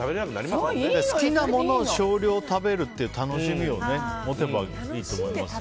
好きなものを少量食べるっていう楽しみを持てばいいと思いますね。